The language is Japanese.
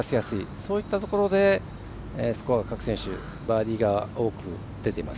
そういったところでスコアが各選手バーディーがよく出ています。